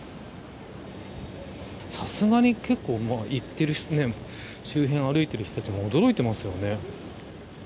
さすがに結構周辺を歩いている人たちも驚いていますよね。